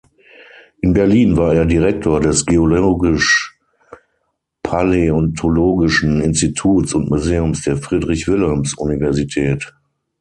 In Berlin war er Direktor des Geologisch-Paläontologischen Instituts und Museums der Friedrich-Wilhelms-Universität.